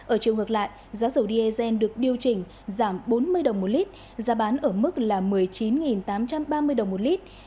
ở chiều ngược lại giá dầu diesel được điều chỉnh giảm bốn mươi đồng một lít giá bán ở mức một mươi chín tám trăm ba mươi đồng một lít